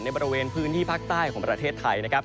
บริเวณพื้นที่ภาคใต้ของประเทศไทยนะครับ